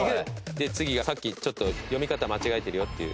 で次がさっきちょっと読み方間違えてるよっていう。